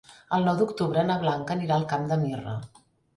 El nou d'octubre na Blanca anirà al Camp de Mirra.